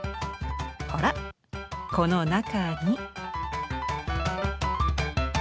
ほらこの中に。